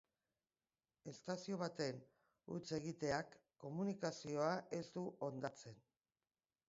Estazio baten hutsegiteak komunikazioa ez du hondatzen.